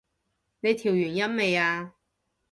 你調完音未啊？